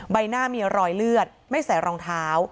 ใบหน้ามีรอยเลือดไม่ใส่รองเท้า